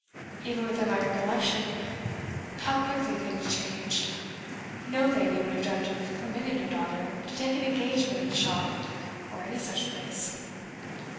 Even within my recollection how quickly things change! no lady would have dreamt of permitting her daughter to take an engagement in a shop or any such place.